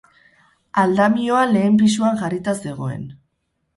Aldamioa lehen pisuan jarrita zegoen.